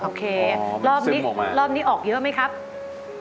โอเครอบนี้ออกเยอะไหมครับอ๋อมันซึมออกมา